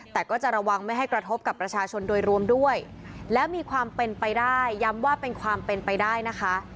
แต่ก็จะระวังไม่ให้กระทบกับประชาชนโดยรวมด้วยแล้วมีความเป็นไปได้ย้ำว่าเป็นความเป็นไปได้นะคะ